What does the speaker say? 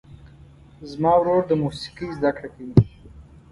زما ورور د موسیقۍ زده کړه کوي.